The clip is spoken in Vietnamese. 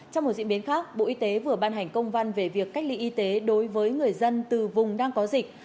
trong một diễn biến khác bộ y tế vừa ban hành công văn về việc cách ly y tế đối với người dân từ vùng đang có dịch